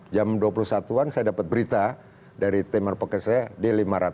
jam dua puluh satu an saya dapat berita dari timer pocket saya di lima ratus